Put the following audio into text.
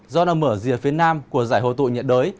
do nằm ở rìa phía nam của giải hồ tụ nhiệt đới